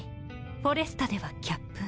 フォレスタではキャップ。